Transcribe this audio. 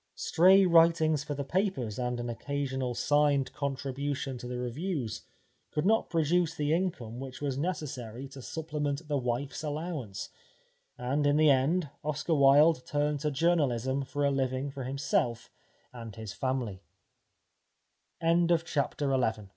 Stray writings for the papers, 264 The Life of Oscar Wilde and an occasional signed contribution to the reviews could not produce the income which was necessary to supplement the wife's allow ance, and in the end Oscar Wilde turned to journalism for a living for himself and his famil